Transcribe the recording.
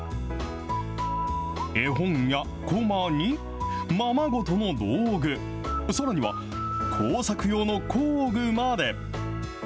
絵本やこまに、ままごとの道具、さらには工作用の工具まで。